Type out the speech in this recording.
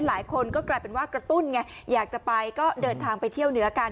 หลายคนก็กลายเป็นว่ากระตุ้นไงอยากจะไปก็เดินทางไปเที่ยวเหนือกัน